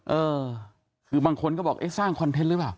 เออคือบางคนก็บอกเอ๊ะสร้างคอนเทนต์หรือเปล่า